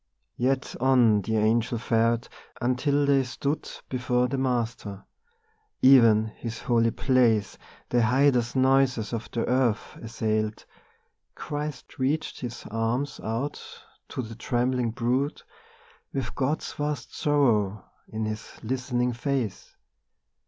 Yet on the Angel fared, until they stood Before the Master. (Even His holy place The hideous noises of the earth assailed.) Christ reached His arms out to the trembling brood, With God's vast sorrow in His listening face.